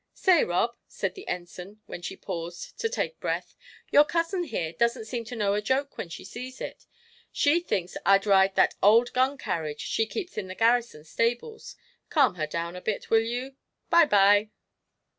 "Say, Rob," said the Ensign, when she paused to take breath, "your cousin here doesn't seem to know a joke when she sees it. She thinks I'd ride that old gun carriage she keeps in the garrison stables. Calm her down a bit, will you? Bye bye!"